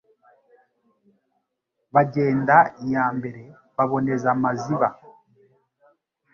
Bagenda iya Mbare baboneza Maziba